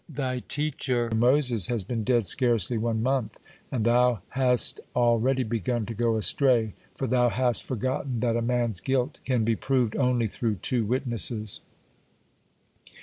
Thy teacher Moses has been dead scarcely one month, and thou has already begun to go astray, for thou hast forgotten that a man's guilt can be proved only through two witnesses."